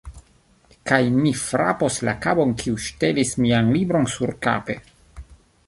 Kaj mi frapos la knabon kiu ŝtelis mian libron surkape